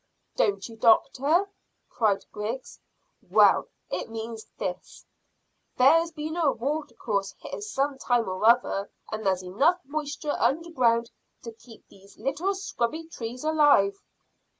"Don't you, doctor?" cried Griggs. "Well, it means this: there's been a watercourse here some time or other, and there's enough moisture underground to keep these little scrubby trees alive."